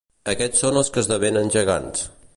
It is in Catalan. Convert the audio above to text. Aquests són els que esdevenen gegants.